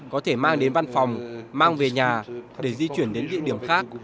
có thể mang đến văn phòng mang về nhà để di chuyển đến địa điểm khác